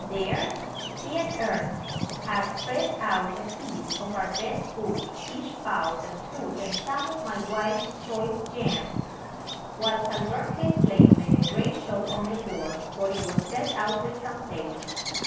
There he and Ernest had spread out a feast of our best food fish, fowls, and fruit, and some of my wife's choice jam whilst our burnt clay plate made a great show on the board, for it was set out with some taste.